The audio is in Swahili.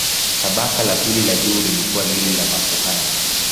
Tabaka la pili la juu lilikuwa lile la makuhani.